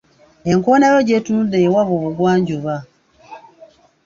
Enkoona yo gy'etunudde we waba obugwanjuba